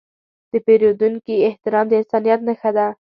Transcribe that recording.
د پیرودونکي احترام د انسانیت نښه ده.